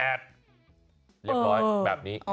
เรียบร้อยแบบนี้